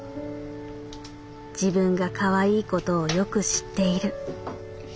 自分がかわいいことをよく知っている。